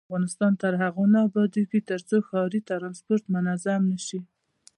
افغانستان تر هغو نه ابادیږي، ترڅو ښاري ترانسپورت منظم نشي.